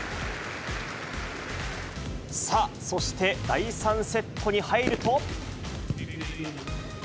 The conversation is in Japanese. さあ、そして第３セットに入ると。